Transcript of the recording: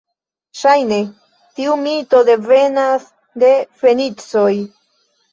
Ŝajne, tiu mito devenas de fenicoj.